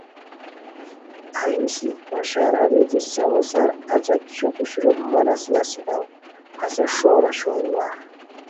اہی نیسی بشار اریر کی سفو سار اچہ کھیو پوشورو مہ لاسے اسیتاؤ؟ ہیس ݰور اوشوئے وا